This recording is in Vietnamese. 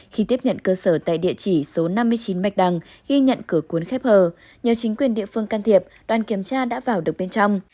khi tiếp nhận cơ sở tại địa chỉ số năm mươi chín bạch đằng ghi nhận cửa cuốn khép hờ nhờ chính quyền địa phương can thiệp đoàn kiểm tra đã vào được bên trong